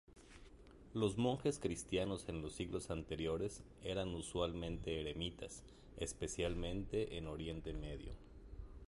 Los monjes cristianos en los siglos anteriores eran usualmente eremitas, especialmente en Oriente Medio.